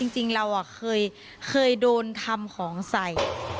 จริงเราเคยโดนทำของใส่